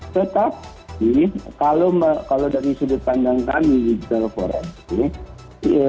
tetapi kalau dari sudut pandang kami digital forensik